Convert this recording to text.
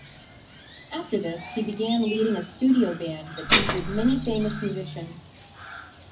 After this, he began leading a studio band that featured many famous musicians.